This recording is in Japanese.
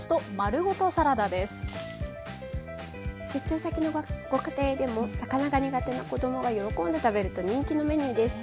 出張先のご家庭でも魚が苦手な子どもが喜んで食べると人気のメニューです。